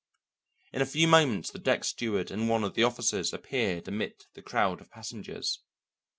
In a few moments the deck steward and one of the officers appeared amid the crowd of passengers.